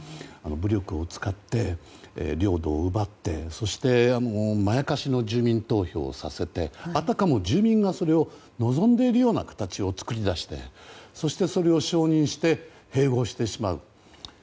武力を使って、領土奪ってそしてまやかしの住民投票をさせてあたかも住民がそれを望んでいるような形を作り出して、そしてそれを承認して併合してしまう。